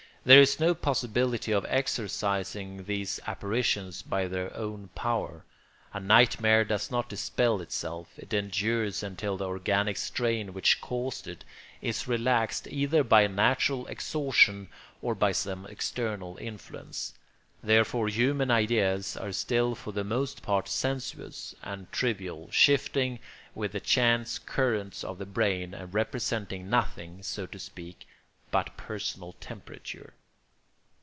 There is no possibility of exorcising these apparitions by their own power. A nightmare does not dispel itself; it endures until the organic strain which caused it is relaxed either by natural exhaustion or by some external influence. Therefore human ideas are still for the most part sensuous and trivial, shifting with the chance currents of the brain, and representing nothing, so to speak, but personal temperature.